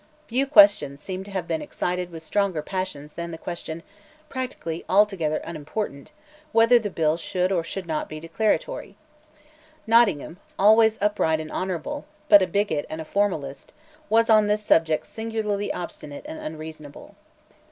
Few questions seem to have excited stronger passions than the question, practically altogether unimportant, whether the bill should or should not be declaratory. Nottingham, always upright and honourable, but a bigot and a formalist, was on this subject singularly obstinate and unreasonable.